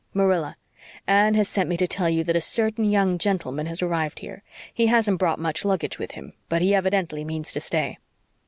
"Marilla, Anne has sent me to tell you that a certain young gentleman has arrived here. He hasn't brought much luggage with him, but he evidently means to stay."